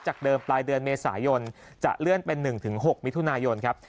เดิมปลายเดือนเมษายนจะเลื่อนเป็น๑๖มิถุนายนครับ